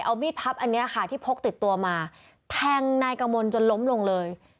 เอามีดพับอันนี้ค่ะที่พกติดตัวมาแทงนายกมลจนล้มลงเลย